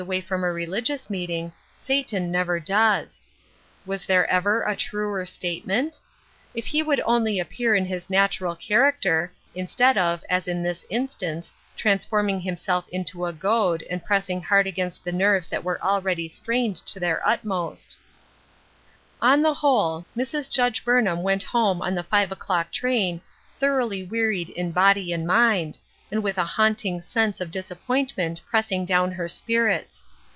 away from a religious meeting, Satan never does. Was there ever a truer statement ? If he would only appear in his natural character, instead of, as in this instance, transforming himself into a goad, and pressing hard against the nerves that were already strained to their utmost I Oli the whole, Mrs. Judge Burnham went ''That Which Satisfieth NoV 349 home on the five o'clock train thoroughly wearied in body and mind, and with a haunting sense of disappointment pressing down her spirits.